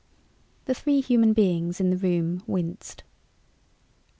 The three human beings in the room winced.